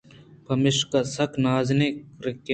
پمیشا سک نازُرک اِنت